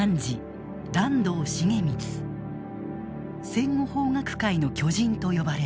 「戦後法学界の巨人」と呼ばれる。